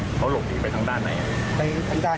เจอแล้วชี้ได้เลยว่าใช่